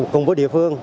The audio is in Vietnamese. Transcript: cùng với địa phương